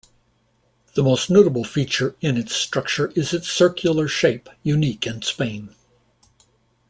The most notable feature in its structure is its circular shape, unique in Spain.